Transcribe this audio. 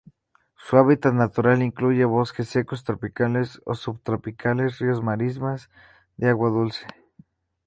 Su hábitat natural incluye bosques secos tropicales o subtropicales, ríos, marismas de agua dulce.